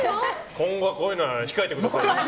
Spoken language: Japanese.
今後はこういうのは控えてください。